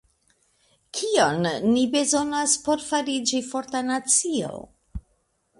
Kion ni bezonas por fariĝi forta nacio?